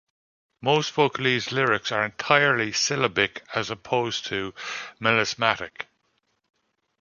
Most vocalese lyrics are entirely syllabic, as opposed to melismatic.